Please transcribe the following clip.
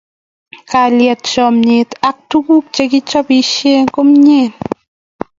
Kalyet, chamiet ak tukuk che kichopisie komie